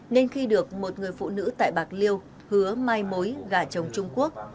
nên khi được một người phụ nữ tại bạc liêu hứa mai mối gả chồng trung quốc